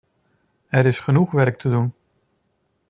Er is genoeg werk te doen.